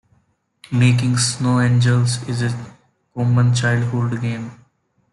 Making snow angels is a common childhood game.